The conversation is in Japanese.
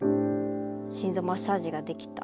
心臓マッサージができた。